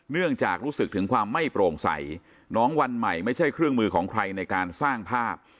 เนื่องจากรู้สึกถึงความไม่โปร่งใสน้องวันใหม่ไม่ใช่เครื่องมือของใครในการสร้างภาพ